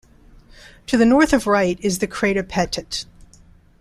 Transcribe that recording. To the north of Wright is the crater Pettit.